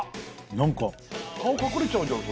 何か顔隠れちゃうじゃん